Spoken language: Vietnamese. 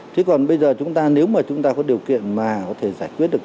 thế còn bây giờ nếu mà chúng ta có điều kiện mà có thể giải quyết được